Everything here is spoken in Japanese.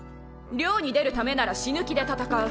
漁に出るためなら死ぬ気で闘う。